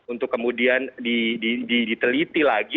untuk kemudian diteliti lagi